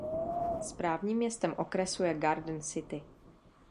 Správním městem okresu je Garden City.